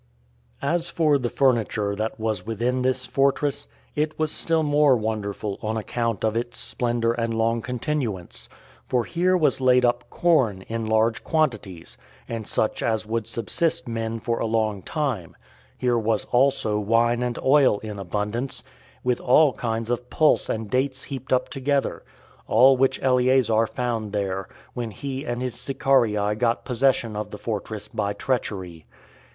4. As for the furniture that was within this fortress, it was still more wonderful on account of its splendor and long continuance; for here was laid up corn in large quantities, and such as would subsist men for a long time; here was also wine and oil in abundance, with all kinds of pulse and dates heaped up together; all which Eleazar found there, when he and his Sicarii got possession of the fortress by treachery.